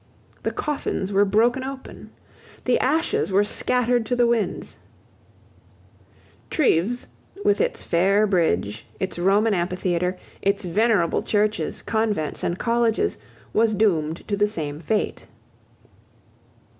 The coffins were broken open. The ashes were scattered to the winds, Treves, with its fair bridge, its Roman amphitheatre, its venerable churches, convents, and colleges, was doomed to the same fate.